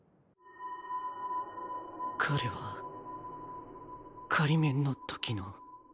彼は仮免の時の？